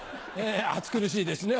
暑苦しいですね